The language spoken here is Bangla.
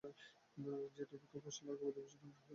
যে দুর্ভিক্ষে ফসল আর গবাদিপশু ধ্বংস হয়ে গেল।